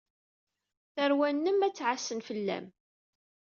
Tarwa-nnem ad ɛassen fell-am.